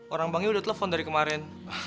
orang banknya udah telepon dari kemarin